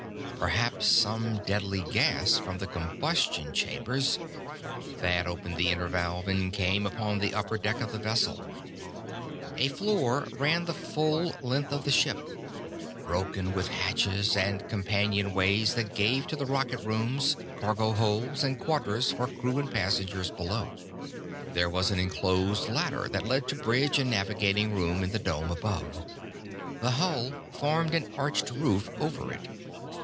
Perhaps some deadly gas, from the combustion chambers.... Thad opened the inner valve, and came upon the upper deck of the vessel. A floor ran the full length of the ship, broken with hatches and companionways that gave to the rocket rooms, cargo holds, and quarters for crew and passengers below. There was an enclosed ladder that led to bridge and navigating room in the dome above. The hull formed an arched roof over it.